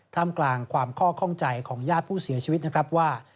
กลางความข้อข้องใจของญาติผู้เสียชีวิตนะครับว่า